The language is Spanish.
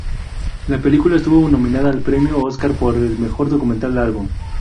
La película estuvo nominada al Premio Óscar por mejor documental largo.